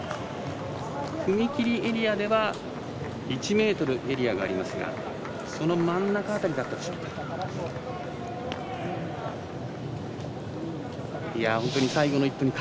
踏み切りエリアは１ｍエリアがありますがその真ん中辺りだったでしょうか。